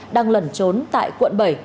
đang lẩn trốn tại quận bảy